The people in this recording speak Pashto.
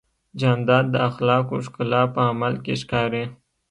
جانداد د اخلاقو ښکلا په عمل کې ښکاري.